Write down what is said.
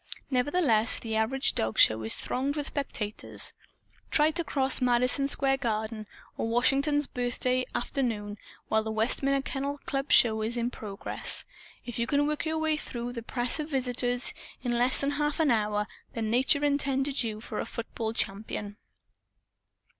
Nevertheless, the average dogshow is thronged with spectators. (Try to cross Madison Square Garden, on Washington's Birthday afternoon, while the Westminster Kennel Club's Show is in progress. If you can work your way through the press of visitors in less than half an hour, then Nature intended you for a football champion.)